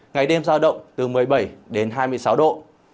ngày đêm giao động từ một mươi bảy đến hai mươi sáu độ